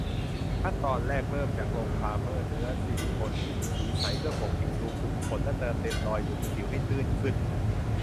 ขั้นตอนแรกเริ่มจากลงไพรเมอร์เนื้อซิลิโคนที่มีสีใสเพื่อปกปิดรูขุมขน และเติมเต็มรอยหลุมสิวให้ตื้นขึ้น